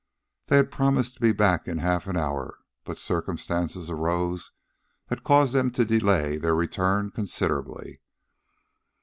They had promised to be back in half an hour, but circumstances arose that caused them to delay their return considerably.